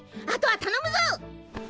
あとは頼むぞ！